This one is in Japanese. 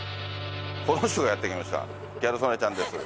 この人がやって来ましたギャル曽根ちゃんです。